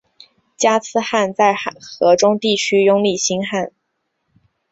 加兹罕在河中地区拥立新汗。